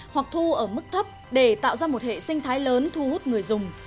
hoặc thu ở mức thấp để tạo ra một hệ sinh thái lớn thu hút người dùng